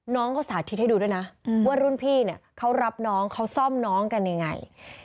น้องเขาสาธิตให้ดูด้วยนะว่ารุ่นพี่เนี่ยเขารับน้องเขาซ่อมน้องกันยังไง